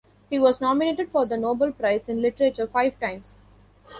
He was nominated for the Nobel Prize in Literature five times.